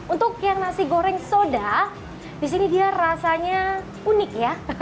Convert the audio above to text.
untuk yang nasi goreng soda disini dia rasanya unik ya